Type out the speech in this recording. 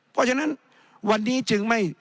เพราะฉะนั้นวันนี้จึงไม่